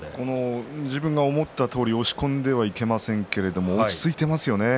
自分の思ったとおり押し込んではいけてませんけど落ち着いてますよね。